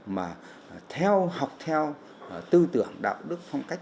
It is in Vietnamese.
mà theo học theo tư tưởng đạo đức phong cách